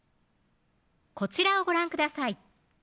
こちらをご覧ください